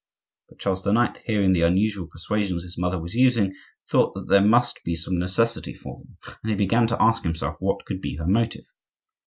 But Charles IX., hearing the unusual persuasions his mother was using, thought that there must be some necessity for them, and he began to ask himself what could be her motive.